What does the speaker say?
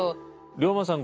龍馬さん